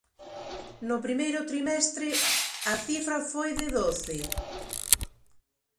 No primeiro trimestre, a cifra foi de doce.